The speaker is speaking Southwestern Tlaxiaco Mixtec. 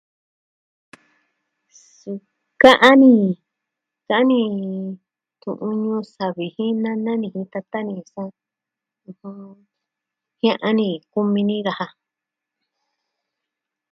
Suu ka'an ni, ka'an ni tu'un Ñuu savi jin nana jin tata ni... ɨjɨn... jia'an ni kumi ni daja.